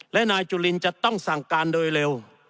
และนายจุลินจะต้องสั่งการโดยเร็ว